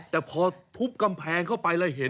แต่พอทุบกำแพงเข้าไปแล้วเห็น